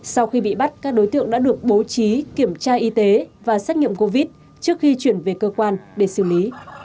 sau khi bị bắt các đối tượng đã được bố trí kiểm tra y tế và xét nghiệm covid trước khi chuyển về cơ quan để xử lý